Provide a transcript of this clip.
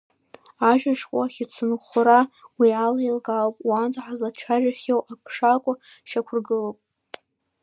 Ажәа ашәҟәы ахьыӡцынхәра уи ала еилкаауп, уанӡа ҳазлацәажәахьоу ак шакәу шьақәыргылоуп.